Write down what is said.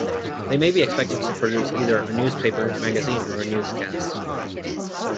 They may be expected to produce either a newspaper, magazine, or a newscast.